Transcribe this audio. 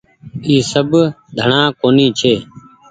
اي سب ڌڻآ ڪونيٚ ڇي۔